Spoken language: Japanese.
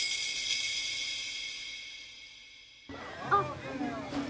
あっ。